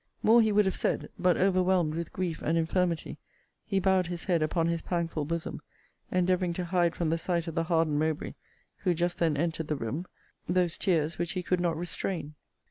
More he would have said; but, overwhelmed with grief and infirmity, he bowed his head upon his pangful bosom, endeavouring to hide from the sight of the hardened Mowbray, who just then entered the room, those tears which he could not restrain.